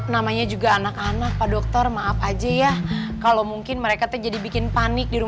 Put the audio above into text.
namanya juga anak anak pak dokter maaf aja ya kalau mungkin mereka tuh jadi bikin panik di rumah